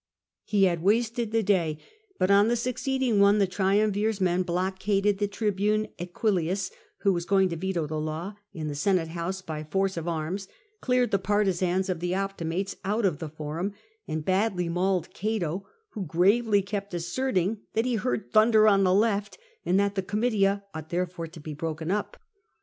He had wasted the day, but on the succeeding one the triumvirs^ men blockaded the tribune Aquilius (who was going to veto the law) in the Senate house by force of arms, cleared the partisans of the Optimates out of the Forum, and badly mauled Cato, who gravely kept asserting that he heard thunder on the left, and that the Comitia ought there fore to be broken up.